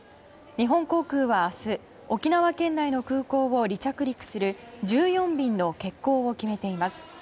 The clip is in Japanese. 日本航空は明日沖縄県内の空港を離着陸する１４便の欠航を決めています。